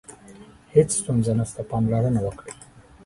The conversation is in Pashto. هیڅ ستونزه نشته، پاملرنه وکړئ.